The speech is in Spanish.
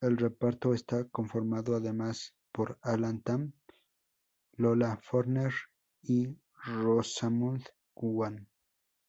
El reparto está conformado además por Alan Tam, Lola Forner y Rosamund Kwan.